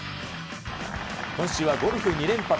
今週はゴルフ２連発。